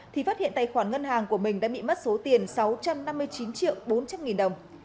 thì phát hiện tài khoản ngân hàng của mình đã bị mất số tiền sáu trăm năm mươi chín bốn triệu đồng